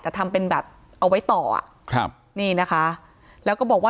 จะทำเป็นแบบเอาไว้ต่อนี่นะคะแล้วก็บอกว่า